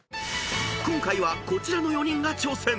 ［今回はこちらの４人が挑戦］